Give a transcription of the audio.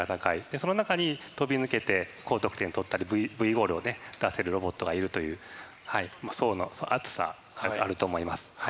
その中に飛び抜けて高得点を取ったりＶゴールを出せるロボットがいるという層の厚さあると思います。